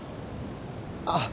あっ。